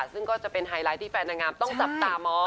ซึ่งก็จะเป็นไฮไลท์ที่แฟนนางงามต้องจับตามอง